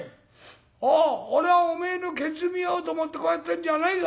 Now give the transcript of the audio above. おう俺はおめえのケツ見ようと思ってこうやってんじゃないぞ」。